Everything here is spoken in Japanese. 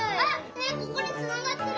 ねえここにつながってる！